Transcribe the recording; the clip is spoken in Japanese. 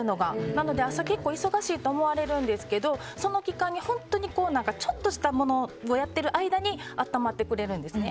なので、朝結構忙しいと思われるんですけどその期間に本当にちょっとしたものをやってる間に温まってくれるんですね。